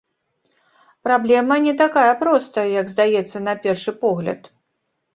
Праблема не такая простая, як здаецца на першы погляд.